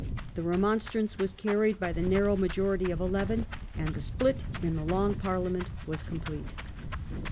The Remonstrance was carried by the narrow majority of ii, and the split in the Long Parliament was complete.